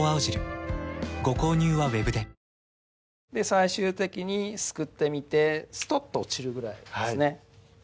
最終的にすくってみてストッと落ちるぐらいですね